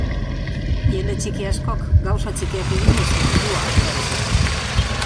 Jende txiki askok, gauza txikiak eginez, mundua alda dezake.